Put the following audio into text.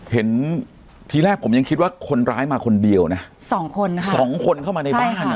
เห็นทีแรกผมยังคิดว่าคนร้ายมาคนเดียวนะสองคนค่ะสองคนเข้ามาในบ้านอ่ะ